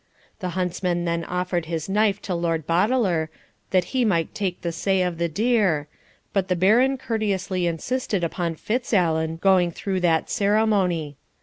The huntsman then offered his knife to Lord Boteler, that he might take the say of the deer, but the Baron courteously insisted upon Fitzallen going through that ceremony.